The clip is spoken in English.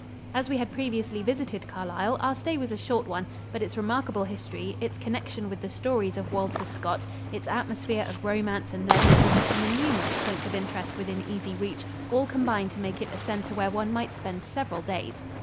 As we had previously visited Carlisle, our stay was a short one, but its remarkable history, its connection with the stories of Walter Scott, its atmosphere of romance and legend and the numerous points of interest within easy reach all combine to make it a center where one might spend several days.